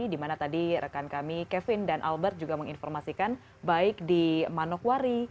di mana tadi rekan kami kevin dan albert juga menginformasikan baik di manokwari